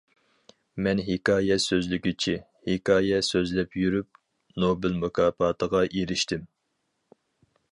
مەن ھېكايە سۆزلىگۈچى، ھېكايە سۆزلەپ يۈرۈپ نوبېل مۇكاپاتىغا ئېرىشتىم.